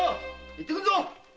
行ってくるぞ。